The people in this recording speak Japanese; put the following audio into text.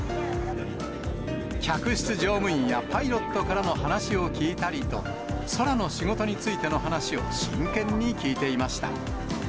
客室乗務員やパイロットからの話を聞いたりと、空の仕事についての話を真剣に聞いていました。